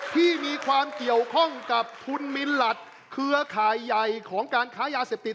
ที่มีความเกี่ยวข้องกับทุนมินลัดเคื้อขายใหญ่ของการขายหายาเสร็จติด